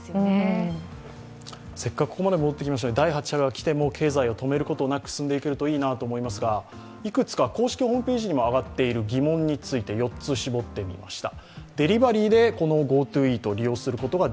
せっかくここまで戻ってきましたので第８波が来ても経済を止めることなく進んでいけるといいなと思いますが、いくつか公式ホームページに上がっている４つ、絞ってみました。